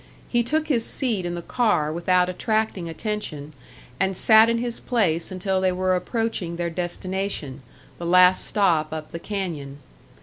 He took his seat in the car without attracting attention, and sat in his place until they were approaching their destination, the last stop up the canyon.